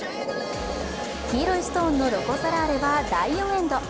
黄色いストーンのロコ・ソラーレは第４エンド。